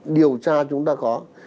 điều tra chúng ta có